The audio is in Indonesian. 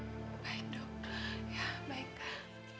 ya baik kak